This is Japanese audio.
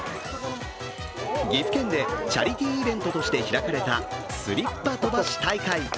岐阜県でチャリティーイベントとして開かれたスリッパ飛ばし大会。